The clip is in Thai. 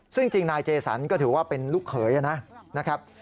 ซึ่งจริงนายเจสันก็ถือว่าเป็นลูกเขยนะครับ